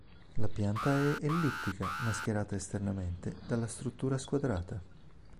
La pianta è ellittica, mascherata esternamente dalla struttura squadrata.